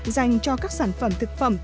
dành cho các sản phẩm thực phẩm